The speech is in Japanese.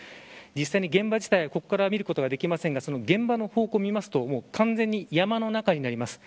実際に現場自体をここから見ることはできませんが現場の方向を見ますと完全に山の中になります。